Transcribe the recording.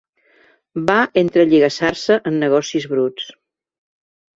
Va entrelligassar-se en negocis bruts.